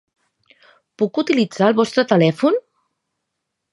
Puc utilitzar el vostre telèfon?